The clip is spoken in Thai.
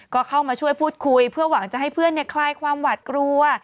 ก็เข้ามาช่วยพูดคุยเพื่อหวังจะให้เพื่อนคลายความหวัดกลัว